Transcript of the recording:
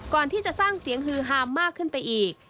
ก่อนที่จะสร้างเสียงฮือฮามมากขึ้นไปอีก